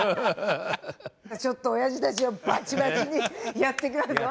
ちょっとおやじたちをバッチバチにやっていきますよ。